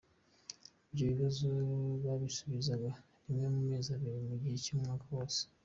Ibyo bibazo babisubizaga rimwe mu mezi abiri mu gihe cy’umwaka wose.